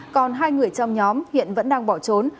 còn hai người trong nhóm hiện vẫn đang bỏ trốn